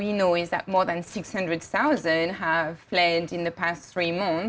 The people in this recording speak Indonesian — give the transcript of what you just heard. kita tahu bahwa lebih dari enam ratus orang